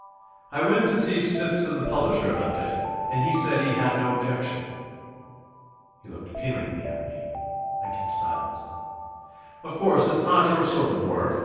"I went to see Smithson the publisher about it, and he said he had no objection...." He looked appealingly at me. I kept silence. "Of course, it's not your sort of work.